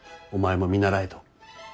お前も見習えと。